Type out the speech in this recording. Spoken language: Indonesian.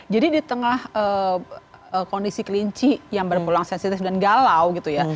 jadi di tengah kondisi kelinci yang berpulang sensitif dan galau gitu ya